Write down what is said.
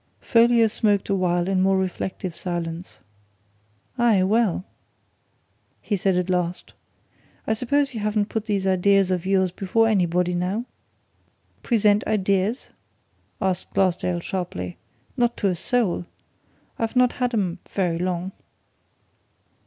Folliot smoked a while in more reflective silence. "Aye, well!" he said at last. "I suppose you haven't put these ideas of yours before anybody, now?" "Present ideas?" asked Glassdale, sharply. "Not to a soul! I've not had 'em very long."